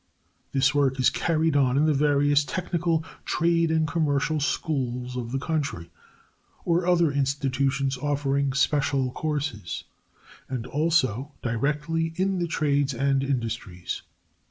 This work is carried on in the various technical, trade and commercial schools of the country, or other institutions offering special courses, and also directly in the trades and industries.